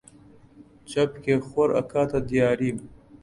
چەپکێ خۆر ئەکاتە دیاریم!